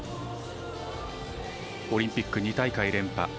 オリンピック２大会連覇。